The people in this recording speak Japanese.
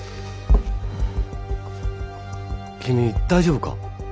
君大丈夫か？